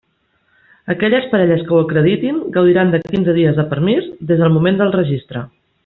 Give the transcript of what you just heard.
Aquelles parelles que ho acreditin gaudiran de quinze dies de permís des del moment del registre.